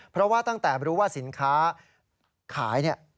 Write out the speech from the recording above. เพราะว่าตั้งแต่รู้ว่าสินค้าขายเนี่ย